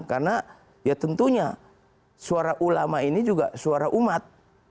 karena ya tentunya suara ulama ini juga suara umat